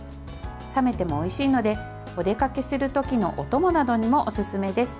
冷めてもおいしいのでお出かけする時のお供などにもおすすめです。